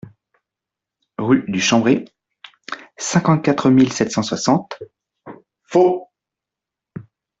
Rue du Chambré, cinquante-quatre mille sept cent soixante Faulx